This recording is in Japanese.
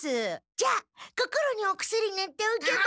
じゃあ心にお薬ぬっておけば？